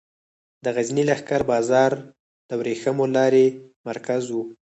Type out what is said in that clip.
د غزني لښکر بازار د ورېښمو لارې مرکز و